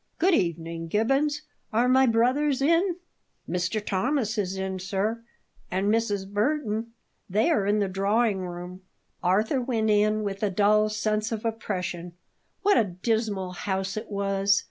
"Good evening, Gibbons; are my brothers in?" "Mr. Thomas is in, sir; and Mrs. Burton. They are in the drawing room." Arthur went in with a dull sense of oppression. What a dismal house it was!